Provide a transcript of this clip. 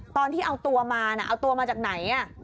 ตอนที่เอาตัวมาน่ะเอาตัวมาจากไหน